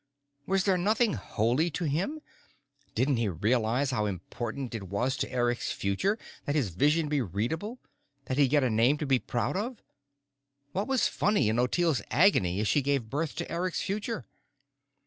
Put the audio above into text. Was there nothing holy to him? Didn't he realize how important it was to Eric's future that his vision be readable, that he get a name to be proud of? What was funny in Ottilie's agony as she gave birth to Eric's future?